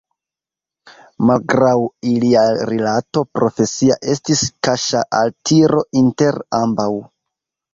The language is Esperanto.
Malgraŭ ilia rilato profesia estis kaŝa altiro inter ambaŭ.